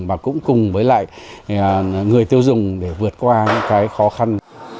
và cũng cùng với lại người tiêu dùng để vượt qua những cái khó khăn